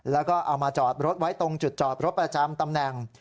แล้วก็เอามาจอดรถไว้ตรงจุดจอดรถประจำตำแหน่ง